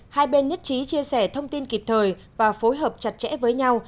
một mươi hai bên nhất trí chia sẻ thông tin kịp thời và phối hợp chặt chẽ với nhau